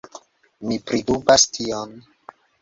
Mi pridubas tion.